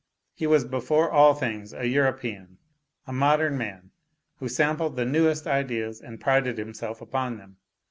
He was before all things a European, a modern man, who sampled the newest ideas and prided himself upon them.